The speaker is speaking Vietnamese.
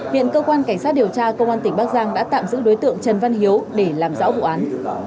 hiện cơ quan cảnh sát điều tra công an tỉnh bắc giang đã tạm giữ đối tượng trần văn hiếu để làm rõ vụ án